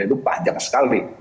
itu panjang sekali